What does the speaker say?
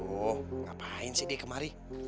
oh ngapain sih dia kemari